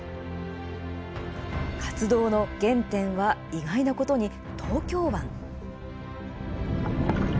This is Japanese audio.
活動の原点は意外なことに東京湾。